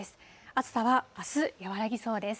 暑さはあす、和らぎそうです。